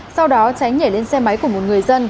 sau đó tránh nhảy lên xe máy của một người dân